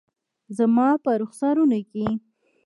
زما په رخسارونو کې